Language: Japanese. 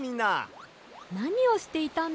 なにをしていたんですか？